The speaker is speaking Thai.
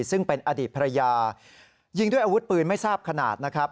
ซึ่งเป็นอดีตภรรยายิงด้วยอาวุธปืนไม่ทราบขนาดนะครับ